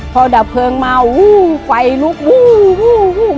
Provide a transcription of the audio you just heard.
พอดับเคริงมาฟัยลุก